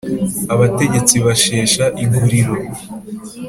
abategetsi basheshe iguriro